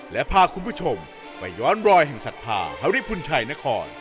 และพาคุณผู้ชมไปย้อนรอยแห่งศรัทธาฮาริพุนชัยนคร